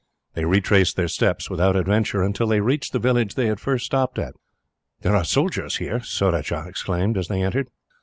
They retraced their steps, without adventure, until they reached the village they had first stopped at. "There are soldiers here," Surajah exclaimed, as they entered.